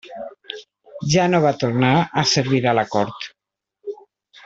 Ja no va tornar a servir a la cort.